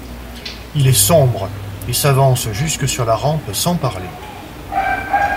Il est sombre, et s’avance jusque sur la rampe sans parler.